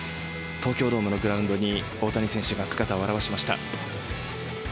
東京ドームのグラウンドに大谷選手が姿を現しました。